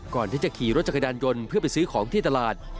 ก่อนที่จะขี่รถจักรยานยนต์เพื่อไปซื้อของที่ตลาด